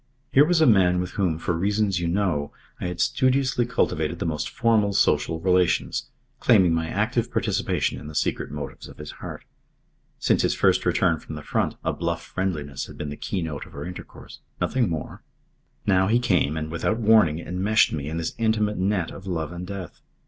Here was a man with whom, for reasons you know, I had studiously cultivated the most formal social relations, claiming my active participation in the secret motives of his heart. Since his first return from the front a bluff friendliness had been the keynote of our intercourse. Nothing more. Now he came and without warning enmeshed me in this intimate net of love and death.